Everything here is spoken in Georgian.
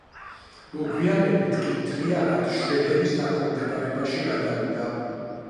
მოგვიანებით კი მთლიანად შვედების დაქვემდებარებაში გადავიდა.